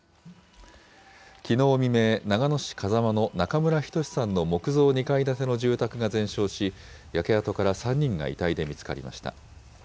きのう未明、長野市風間の中村均さんの木造２階建ての住宅が全焼し、焼け跡から３人が遺体で見つかりました。